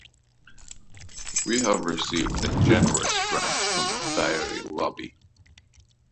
We have received a generous grant from the dairy lobby.